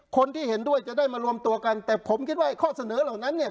คนที่เห็นด้วยจะได้มารวมตัวกันแต่ผมคิดว่าข้อเสนอเหล่านั้นเนี่ย